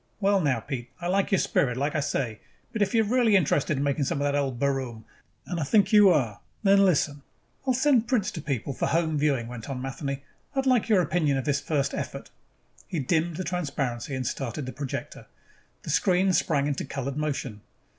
"Well, now, Pete, I like your spirit, like I say. But if you are really interested in making some of that old baroom, and I think you are, then listen " "I'll sell prints to people for home viewing," went on Matheny. "I'd like your opinion of this first effort." He dimmed the transparency and started the projector. The screen sprang into colored motion.